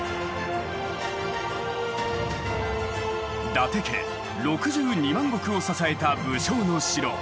伊達家６２万石を支えた武将の城